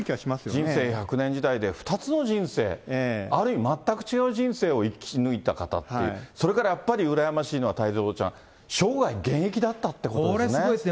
人生１００年時代で、２つの人生、ある意味全く違う人生を生き抜いた方って、それからやっぱり羨ましいのが、太蔵ちゃん、生涯現役だったってこれすごいですね。